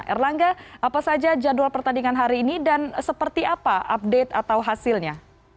erlangga apa saja jadwal pertandingan hari ini dan seperti apa update atau hasilnya